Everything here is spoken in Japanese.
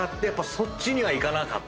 そっちにはいかなかった。